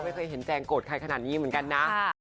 ไม่เคยเห็นแจงโกรธใครขนาดนี้เหมือนกันนะ